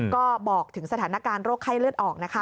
ก็บอกถึงสถานการณ์โรคไข้เลือดออกนะคะ